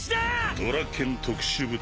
ドラッケン特殊部隊。